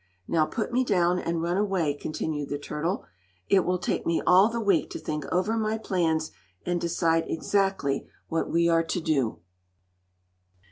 "Now put me down and run away," continued the turtle. "It will take me all the week to think over my plans, and decide exactly what we are to do."